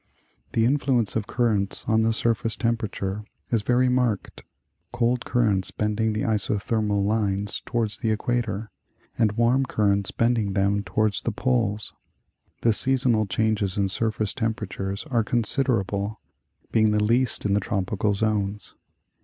The influence of currents on the surface temperature is very marked, cold currents bending the isothermal lines towards the equator, and warm currents bending them towards the poles. The seasonal changes in surface temperatures are considerable, being the least in the tropical zones.